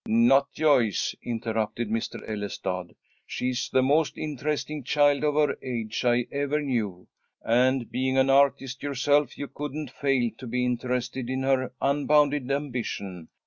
"Not Joyce," interrupted Mr. Ellestad. "She's the most interesting child of her age I ever knew, and being an artist yourself you couldn't fail to be interested in her unbounded ambition.